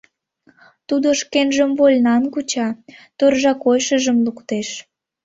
Тудо шкенжым вольнан куча, торжа койышыжым луктеш.